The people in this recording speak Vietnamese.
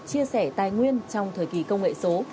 chia sẻ tài nguyên trong thời kỳ công nghệ số